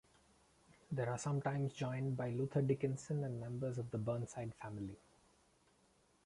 They are sometimes joined by Luther Dickinson and members of the Burnside family.